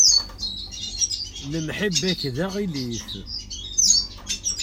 Lemḥibba-k d aɣilif.